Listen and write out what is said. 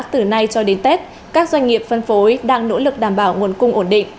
từ nay cho đến tết các doanh nghiệp phân phối đang nỗ lực đảm bảo nguồn cung ổn định